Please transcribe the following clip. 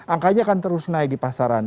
angkanya akan terus naik di pasaran